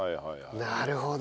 なるほど。